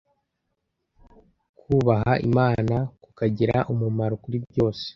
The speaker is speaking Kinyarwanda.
kubaha Imana kukagira umumaro kuri byose,